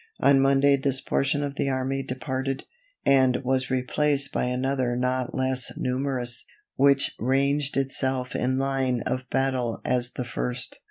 On Monday this portion of the army departed, and was replaced by another not less numerous, which ranged itself in line of battle as the first.